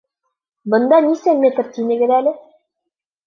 Бында нисә метр тинегеҙ әле?